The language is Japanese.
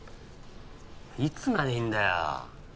いつまでいんだよ